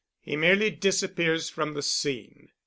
He merely disappears from the scene."